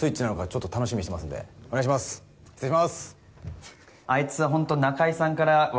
失礼しまーす